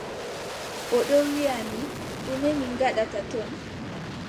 O ɗo wiʼa mi, ɗume mi ngaɗata ton.